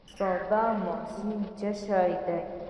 ساده ماشین څه شی دی؟